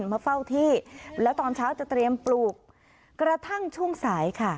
มาเฝ้าที่แล้วตอนเช้าจะเตรียมปลูกกระทั่งช่วงสายค่ะ